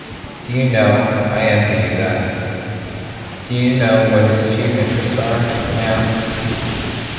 Do you know, I envy you that Do you know what his chief interests are now?